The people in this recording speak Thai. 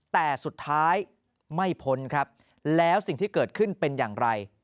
แต่สุดท้ายไม่พ้นครับแล้วสิ่งที่เกิดขึ้นเป็นอย่างไร